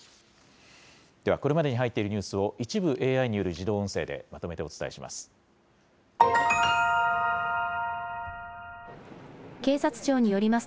ではこれまでに入っているニュースを、一部ＡＩによる自動音声でまとめてお伝えします。